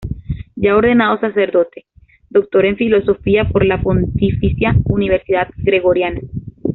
Ya ordenado sacerdote, doctor en Filosofía por la Pontificia Universidad Gregoriana.